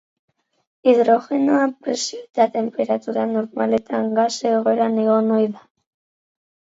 Hidrogenoa, presio eta temperatura normaletan, gas-egoeran egon ohi da.